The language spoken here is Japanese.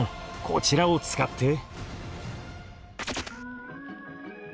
こちらを使って。